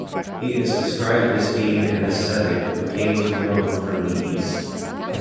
He is described as being an ascetic who came to Rome from the East.